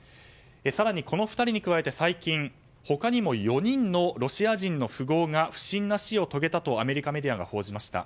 更に、この２人に加えて最近他にも４人のロシア人の富豪が不審な死を遂げたとアメリカメディアが報じました。